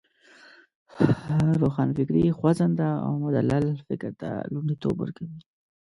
روښانفکري خوځنده او مدلل فکر ته لومړیتوب ورکوی.